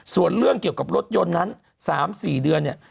ส่วนเรื่องเกี่ยวกับรถยนต์นั้น๓๔เดือนเนี่ย